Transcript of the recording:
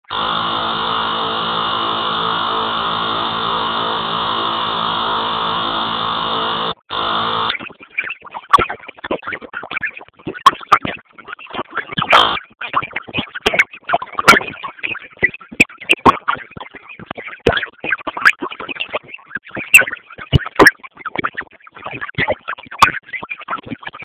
اداره د خلکو حقونه خوندي ساتي.